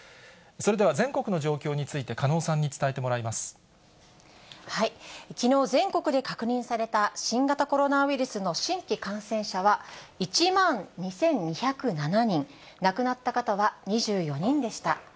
それでは全国の状況について、きのう、全国で確認された新型コロナウイルスの新規感染者は、１万２２０７人、亡くなった方は２４人でした。